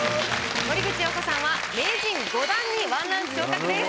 森口瑤子さんは名人５段に１ランク昇格です。